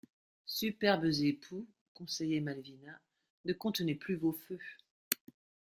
«Superbes époux, conseillait Malvina, ne contenez plus vos feux.